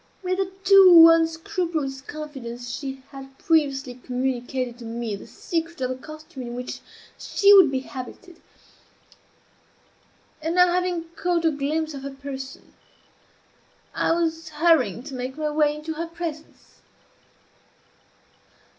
With a too unscrupulous confidence she had previously communicated to me the secret of the costume in which she would be habited, and now, having caught a glimpse of her person, I was hurrying to make my way into her presence.